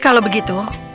oke kalau begitu